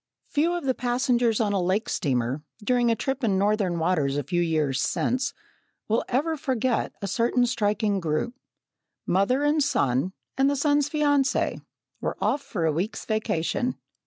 Few of the passengers on a lake steamer, during a trip in northern waters a few years since, will ever forget a certain striking group. Mother and son, and the son's fiancée, were off for a week's vacation.